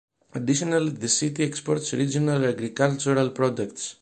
Additionally, the city exports regional agricultural products.